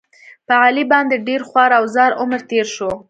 په علي باندې ډېر خوار او زار عمر تېر شو.